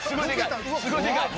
すごいでかい！